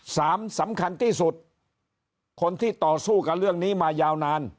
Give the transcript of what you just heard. สำคัญที่สุดคนที่ต่อสู้กับเรื่องนี้มายาวนาน